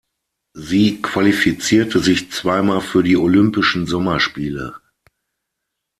Sie qualifizierte sich zweimal für die Olympischen Sommerspiele.